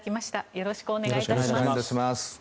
よろしくお願いします。